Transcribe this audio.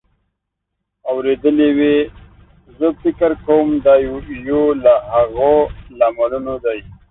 اورېدلې وې. زه فکر کوم دا یو له هغو لاملونو دی